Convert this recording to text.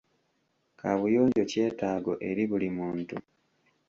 Kaabuyonjo kyetaago eri buli muntu.